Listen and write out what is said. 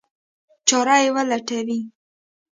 چاره یې ولټوي.